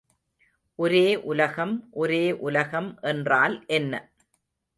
ஒரே உலகம் ஒரே உலகம் என்றால் என்ன?